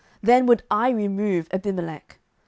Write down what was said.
then would I remove Abimelech.